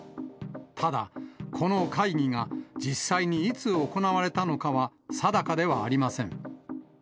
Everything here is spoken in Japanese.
ただ、この会議が、実際にいつ行われたのかは定かではありません。